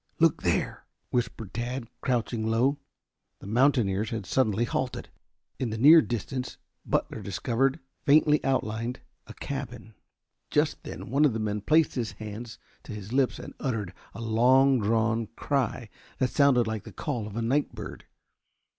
"Look there!" whispered Tad, crouching low. The mountaineers had suddenly halted. In the near distance Butler discovered, faintly outlined, a cabin. Just then one of the men placed his hands to his lips and uttered a long drawn cry that sounded like the call of a night bird.